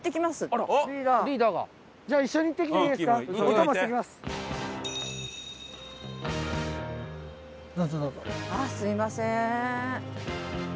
ああすみません。